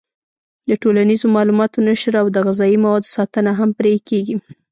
د ټولنیزو معلوماتو نشر او د غذایي موادو ساتنه هم پرې کېږي.